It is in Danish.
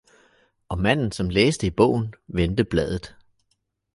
Og manden, som læste i bogen, vendte bladet